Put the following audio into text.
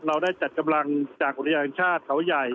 เราได้จัดกำลังจากอุทยานแห่งชาติเขาใหญ่